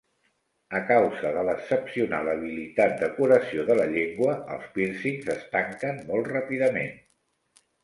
A causa de l'excepcional habilitat de curació de la llengua, els pírcings es tanquen molt ràpidament.